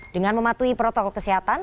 dengan mematuhi protokol kesehatan